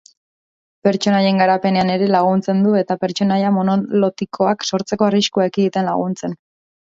Pertsonaien garapenean ere laguntzen du, eta pertsonaia monolotikoak sortzeko arriskua ekiditen laguntzen.